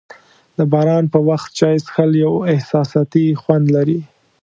د باران په وخت چای څښل یو احساساتي خوند لري.